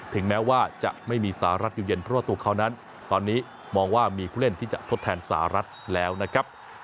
ถึงแม้ว่าจะไม่มีสหรัฐอยู่เย็นเพราะว่าตัวเขานั้นตอนนี้มองว่ามีผู้เล่นที่จะทดแทนสหรัฐแล้วนะครับ